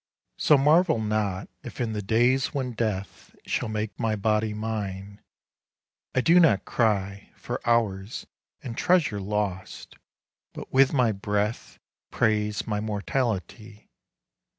So marvel not if in the days when death Shall make my body mine, I do not cry For hours and treasure lost, but with my breath Praise my mortality.